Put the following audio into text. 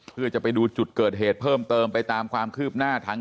เพื่อจะไปดูจุดเกิดเหตุเพิ่มเติมไปตามความคืบหน้าทั้ง